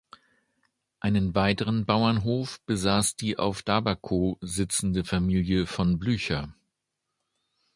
Einen weiteren Bauernhof besaß die auf Daberkow sitzende Familie von Blücher.